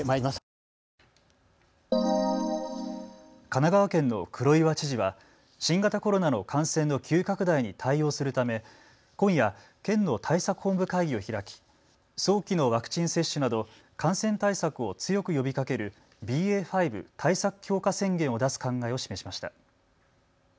神奈川県の黒岩知事は新型コロナの感染の急拡大に対応するため今夜、県の対策本部会議を開き、早期のワクチン接種など感染対策を強く呼びかけるＢＡ．５対策強化宣言を出す考えを示しました。